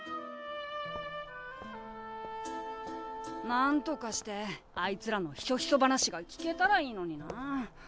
なんとかしてあいつらのひそひそ話が聞けたらいいのにな。